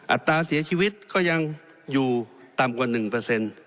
อัตราเสียชีวิตก็ยังอยู่ต่ำกว่า๑